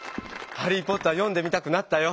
「ハリー・ポッター」読んでみたくなったよ。